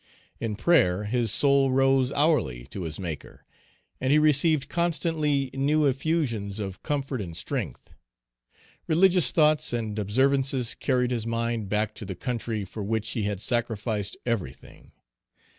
In prayer his soul rose hourly to his Maker, and he received constantly new effusions of comfort and strength. Religious thoughts and observances carried his mind back to the country for which he had sacrificed everything.